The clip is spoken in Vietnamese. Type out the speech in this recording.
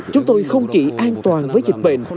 chúng tôi không chỉ an toàn với dịch bệnh